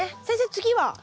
先生次は？